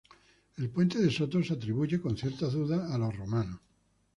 El puente de Soto se atribuye, con ciertas dudas, a los romanos.